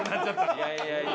いやいやいや。